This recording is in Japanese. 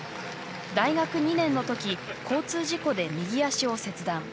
大学２年の時交通事故で右足を切断。